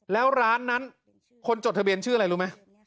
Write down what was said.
แล้วร้านนั้นคนจดทะเบียนชื่ออะไรรู้ไหม